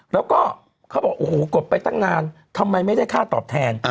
แล้วก็เขาบอกโอ้โหกดไปตั้งนานทำไมไม่ได้ค่าตอบแทน